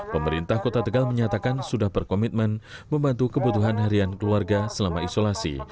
pemerintah kota tegal menyatakan sudah berkomitmen membantu kebutuhan harian keluarga selama isolasi